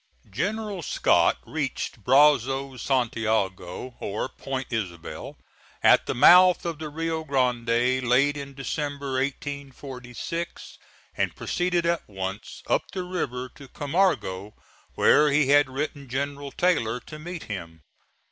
General Scott reached Brazos Santiago or Point Isabel, at the mouth of the Rio Grande, late in December, 1846, and proceeded at once up the river to Camargo, where he had written General Taylor to meet him.